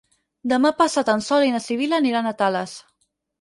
Demà passat en Sol i na Sibil·la aniran a Tales.